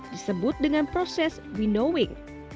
disebut dengan proses winnowing